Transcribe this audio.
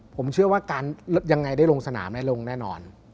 ผมเชื่อว่าการยังไงได้ลงสนามได้ลงแน่นอน